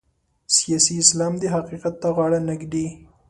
سیاسي اسلام دې حقیقت ته غاړه نه ږدي.